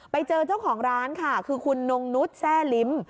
ไปเจอเจ้าของร้านค่ะคือคุณนงนุษย์แทร่ลิ้ม